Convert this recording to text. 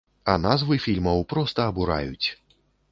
А назвы фільмаў проста абураюць.